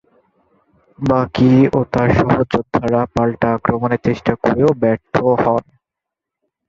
বাকী ও তার সহযোদ্ধারা পাল্টা আক্রমণের চেষ্টা করেও ব্যর্থ হন।